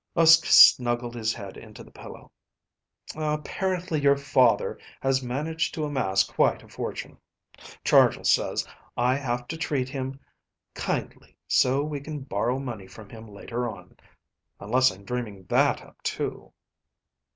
Uske snuggled his head into the pillow. "Apparently your father has managed to amass quite a fortune. Chargill says I have to treat him kindly so we can borrow money from him later on. Unless I'm dreaming that up too."